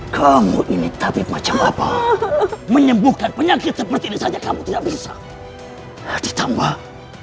kamu ini tapi macam apa menyembuhkan penyakit seperti ini saja kamu tidak bisa ditambah